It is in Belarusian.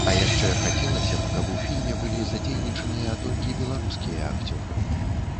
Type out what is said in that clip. А яшчэ хацелася б, каб у фільме былі задзейнічаныя толькі беларускія акцёры.